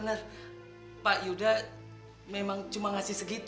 saya sudah berusaha sekali pak